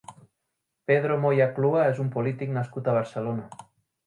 Pedro Moya Clua és un polític nascut a Barcelona.